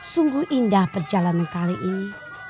sungguh indah perjalanan kali ini